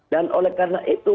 dan oleh karena itu